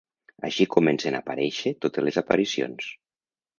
Així comencen a aparèixer totes les aparicions.